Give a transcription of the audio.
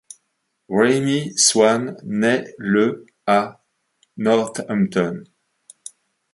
Graeme Swann naît le à Northampton.